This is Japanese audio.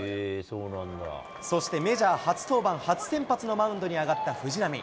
そしてメジャー初登板、初先発のマウンドに上がった藤浪。